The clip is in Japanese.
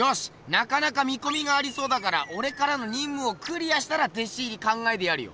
なかなか見こみがありそうだからおれからの任務をクリアしたら弟子入り考えてやるよ。